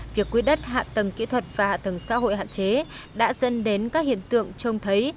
việc quyết đất hạ tầng kỹ thuật và hạ tầng xã hội hạn chế đã dân đến các hiện tượng trông thấy